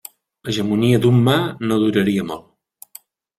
L'hegemonia d'Umma no duraria molt.